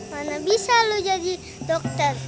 mana bisa lo jadi dokter